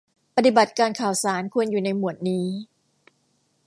ปฏิบัติการข่าวสารควรอยู่ในหมวดนี้